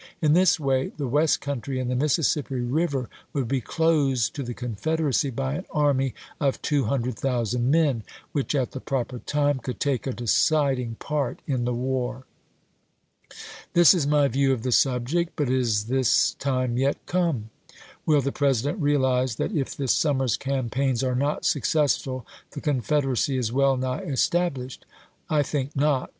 In this way the west country and the Mississippi River would be closed to the Confederacy by an army of 200,000 men, which, at the proper time, could take a deciding part in the war. This is my view of the subject, but is this time yet come? Will the President realize that if this summer's campaigns are not successful the Confederacy is well nigh estab lished ? I think not.